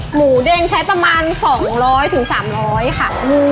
หมูแดงใช้ประมาณ๒๐๐๓๐๐ค่ะ